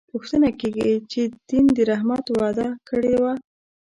پوښتنه کېږي چې دین د رحمت وعده کړې وه.